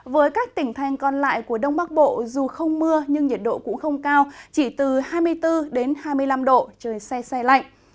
với các tỉnh thành còn lại của đông bắc bộ dù không mưa nhưng nhiệt độ cũng không cao chỉ từ hai mươi bốn hai mươi năm độ trời xe xe lạnh